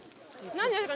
何ですか？